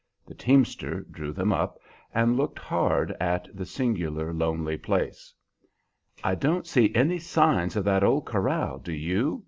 The teamster drew them up and looked hard at the singular, lonely place. "I don't see any signs of that old corral, do you?"